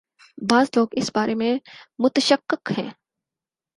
بعض لوگ اس بارے میں متشکک ہیں۔